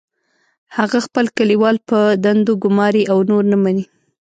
هغه خپل کلیوال په دندو ګماري او نور نه مني